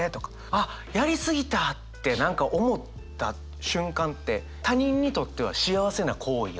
あっやり過ぎたって何か思った瞬間って他人にとっては幸せな行為やから。